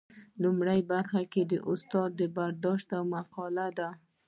لومړۍ برخه کې د استاد برداشتونه او مقالې دي.